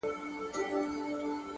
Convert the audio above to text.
هوښیار انسان د تېروتنې تکرار نه کوي،